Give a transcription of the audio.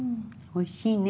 おいしいね。